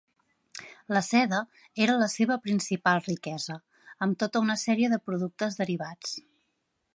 La seda era la seva principal riquesa, amb tota una sèrie de productes derivats.